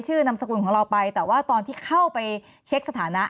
นามสกุลของเราไปแต่ว่าตอนที่เข้าไปเช็คสถานะ